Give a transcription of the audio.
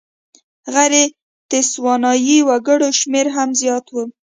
غیر تسوانایي وګړو شمېر هم زیات و.